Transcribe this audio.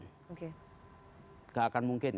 tidak akan mungkin